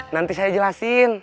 nanti saya jelasin